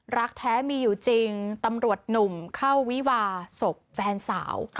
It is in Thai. รักแท้มีอยู่จริงตำรวจหนุ่มเข้าวิวาศพแฟนสาว